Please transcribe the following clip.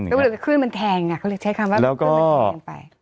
ก็เลยเป็นคลื่นมันแทงอะเค้าเลยใช้คำว่าคลื่นมันแทงไป